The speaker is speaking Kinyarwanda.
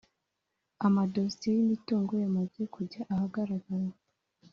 amadosiye y imitungo yamaze kujya ahagaragara